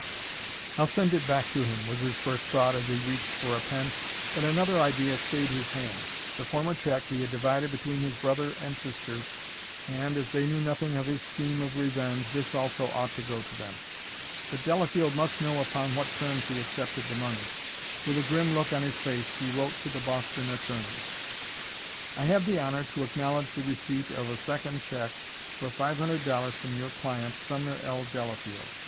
"I'll send it back to him," was his first thought, as he reached for a pen. But another idea stayed his hand. The former check he had divided between his brother and sisters, and, as they knew nothing of his scheme of revenge, this also ought to go to them. But Delafield must know upon what terms he accepted the money. With a grim look on his face he wrote to the Boston attorneys: "I have the honor to acknowledge the receipt of a second check for five hundred dollars from your client, Sumner L. Delafield.